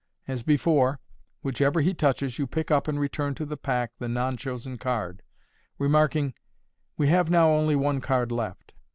As before, whichever he touches, you pick up and return to the pack the non chosen card, remarking, " We have now only one card left.